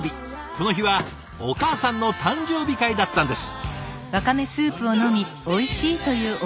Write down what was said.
この日はお母さんの誕生日会だったんです。